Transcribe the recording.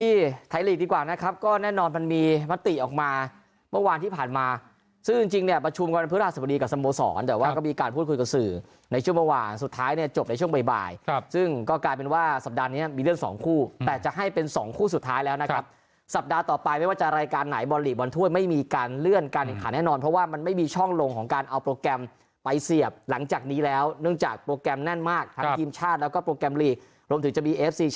ที่ไทยลีกดีกว่านะครับก็แน่นอนมันมีมัตติออกมาเมื่อวานที่ผ่านมาซึ่งจริงเนี่ยประชุมกับพฤศพดีกับสมโสรแต่ว่าก็มีการพูดคุยกับสื่อในช่วงเมื่อวานสุดท้ายเนี่ยจบในช่วงบ่ายซึ่งก็กลายเป็นว่าสัปดาห์นี้มีเลื่อนสองคู่แต่จะให้เป็นสองคู่สุดท้ายแล้วนะครับสัปดาห์ต่อไปไม่ว่าจะรายการไ